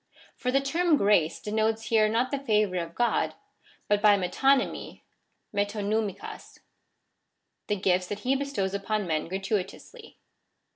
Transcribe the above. For the term grace denotes here not the favour of God, but by metonymy^ (ji£TQ)vv/jLKQ)<i), the gifts that he bestows upon men gratuitously.